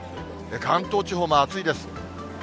関東地方も暑いです。